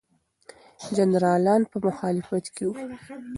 جنرالان په مخالفت کې وو.